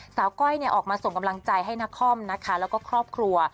ก้อยออกมาส่งกำลังใจให้นครนะคะแล้วก็ครอบครัว